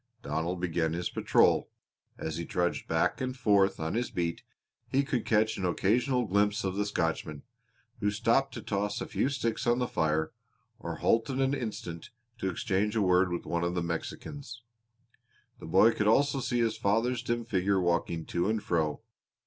Donald began his patrol. As he trudged back and forth on his beat he could catch an occasional glimpse of the Scotchman, who stopped to toss a few sticks on the fire or halted an instant to exchange a word with one of the Mexicans. The boy could also see his father's dim figure walking to and fro.